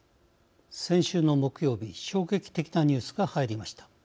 先週の木曜日衝撃的なニュースが入りました。